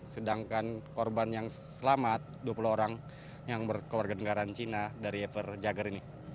sedangkan korban yang selamat dua puluh orang yang berkewarganegaraan cina dari everjugger ini